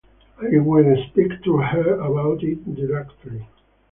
I will speak to her about it directly.